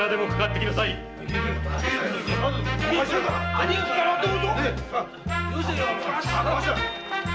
兄貴からどうぞ！